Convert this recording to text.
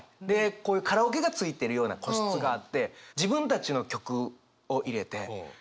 こういうカラオケがついてるような個室があって自分たちの曲を入れて号泣してました